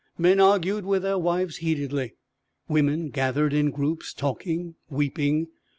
Men argued with their wives heatedly; women gathered in groups, talking, weeping.